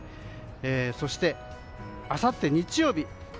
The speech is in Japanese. そしてあさって日曜日。